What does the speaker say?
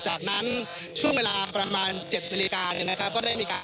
จากนั้นช่วงเวลาประมาณ๗นาทีมีการ